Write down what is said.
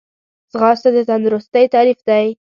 ځغاسته د تندرستۍ تعریف دی